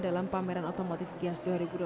dalam pameran otomotif giaz dua ribu dua puluh tiga